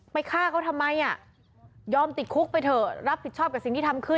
ฆ่าเขาทำไมอ่ะยอมติดคุกไปเถอะรับผิดชอบกับสิ่งที่ทำขึ้น